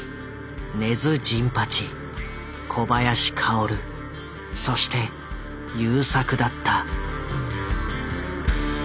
根津甚八小林薫そして優作だった。